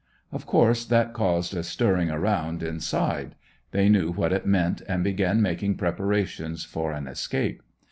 Of course that caused a stirring around inside; they knew what it meant and began making preparations for an escape.